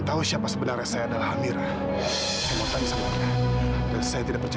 tahu siapa sebenarnya saya adalah amira saya tidak percaya